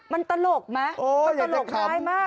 มันตลกมั้ยมันตลกร้ายมากเลย